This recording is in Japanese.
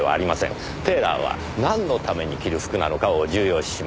テーラーはなんのために着る服なのかを重要視します。